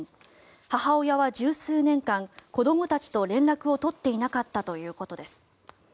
母親は１０数年間子どもたちと連絡を取っていなかったということです。